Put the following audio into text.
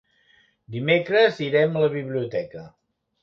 Dimecres irem a la biblioteca.